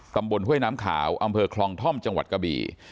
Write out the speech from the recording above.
ห้วยน้ำขาวอำเภอคลองท่อมจังหวัดกะบี่